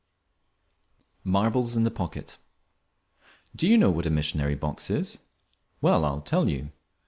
"_ MARBLES IN THE POCKET Do you know what a Missionary Box is? Well, I will tell you.